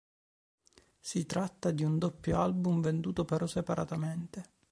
Si tratta di un doppio album venduto però separatamente.